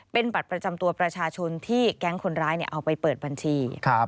เป็นบัตรประจำตัวประชาชนที่แก๊งคนร้ายเอาไปเปิดบัญชี